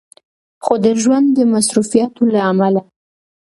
خو د ژوند د مصروفياتو له عمله